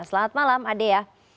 selamat malam adia